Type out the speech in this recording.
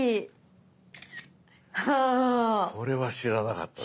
これは知らなかったぞ。